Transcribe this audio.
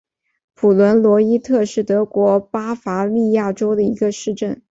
普伦罗伊特是德国巴伐利亚州的一个市镇。